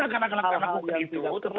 hal hal yang tidak terlalu